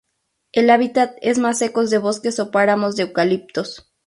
El hábitat es más secos de bosques o páramos de eucaliptos.